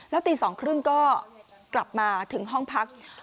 แล้วตี๒๓๐ก็กลับมาถึงห้องพัก